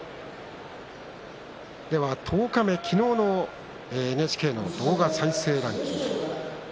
十日目、昨日のＮＨＫの動画再生ランキング。